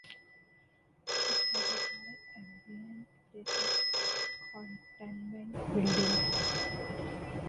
It has a dry ambient pressure containment building.